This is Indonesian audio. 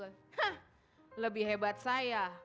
hah lebih hebat saya